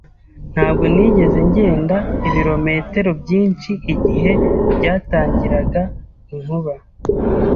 Ntabwo nigeze ngenda ibirometero byinshi igihe byatangiraga inkuba.